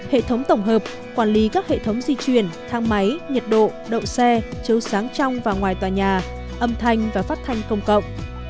hệ thống tổng hợp quản lý các hệ thống di chuyển thang máy nhiệt độ đậu xe chiếu sáng trong và ngoài tòa nhà âm thanh và phát thanh công cộng